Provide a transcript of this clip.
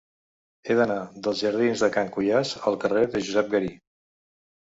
He d'anar dels jardins de Can Cuiàs al carrer de Josep Garí.